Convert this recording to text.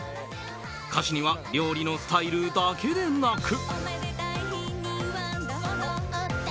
歌詞には料理のスタイルだけでなく。